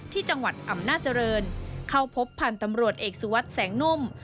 ที่จังหวัดอำนาจริงเข้าพบพันธ์ตำรวจเอกสุวัสดิ์แสงนุ่ม